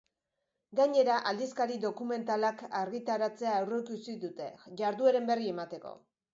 Gainera, aldizkari dokumentalak argitaratzea aurreikusi dute, jardueren berri emateko.